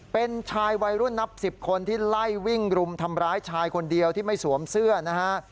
เป็นชายวัยรุ่นนับสิบคนที่ไล่วิ่งรุมทำร้ายชายคนเดียวที่ไม่สวมเสื้อนะฮะ